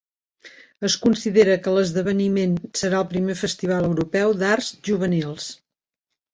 Es considera que l'esdeveniment serà el primer festival europeu d'arts juvenils.